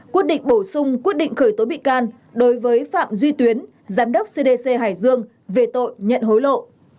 quyết định bổ sung quyết định khởi tố bị can đối với phạm duy tuyến giám đốc cdc hải dương về tội nhận hối lộ